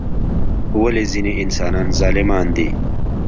ولی ځینی انسانان ظالمان دي؟